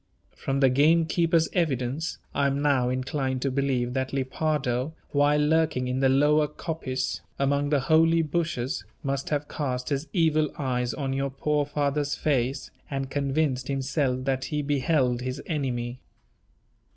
From the gamekeeper's evidence, I am now inclined to believe that Lepardo, while lurking in the lower coppice, among the holly bushes, must have cast his evil eyes on your poor father's face, and convinced himself that he beheld his enemy.